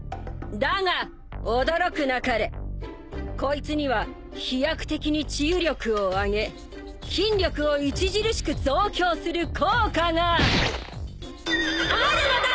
だが驚くなかれこいつには飛躍的に治癒力を上げ筋力を著しく増強する効果があるのだ！